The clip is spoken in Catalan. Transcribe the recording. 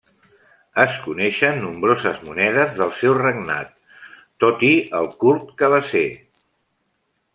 Es coneixen nombroses monedes del seu regnat, tot el curt que va ser.